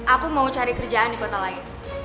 aku mau cari kerjaan di kota lain